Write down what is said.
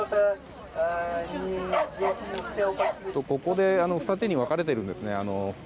ここで二手に分かれているんですね。